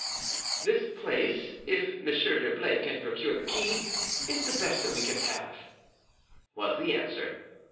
"This place, if Monsieur d'Herblay can procure the key, is the best that we can have," was the answer.